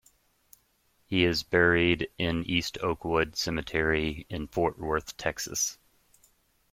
He is buried in East Oakwood Cemetery in Fort Worth, Texas.